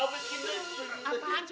suka memfitnahin ji